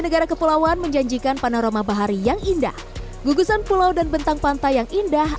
negara kepulauan menjanjikan panorama bahari yang indah gugusan pulau dan bentang pantai yang indah